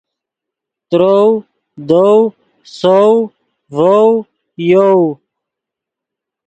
ترؤ، دؤ، سؤ، ڤؤ، یؤ